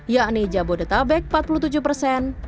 yakni jabodetabek empat puluh tujuh persen